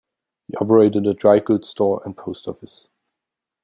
He operated a dry goods store and post office.